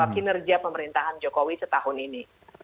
kinerja pemerintahan jokowi setahun ini